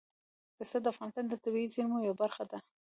پسه د افغانستان د طبیعي زیرمو یوه برخه ده.